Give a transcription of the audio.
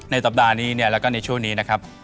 สัปดาห์นี้เนี่ยแล้วก็ในช่วงนี้นะครับ